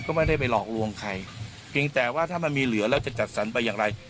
ก็ไม่ได้ไปหลอกลวงใครเพียงแต่ว่าถ้ามันมีเหลือแล้วจะจัดสรรไปอย่างไร